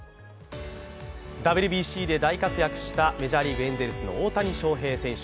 ＷＢＣで大活躍したメジャーリーグ、エンゼルスの大谷翔平選手